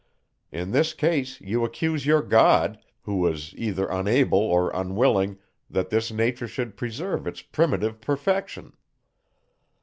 In this case, you accuse your God; who was either unable, or unwilling, that this nature should preserve its primitive perfection.